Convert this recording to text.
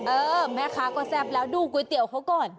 เออแม่ค้าก็แซ่บแล้วดูก๋วยเตี๋ยวเขาก่อน